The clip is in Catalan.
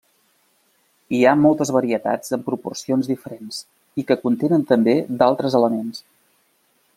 Hi ha moltes varietats amb proporcions diferents i que contenen també d'altres elements.